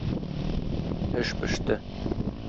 Эш пеште.